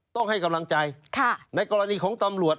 ต้องให้กำลังใจในกรณีของตำรวจ